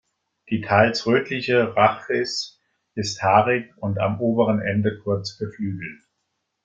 Die teils rötliche Rhachis ist haarig und am oberen Ende kurz geflügelt.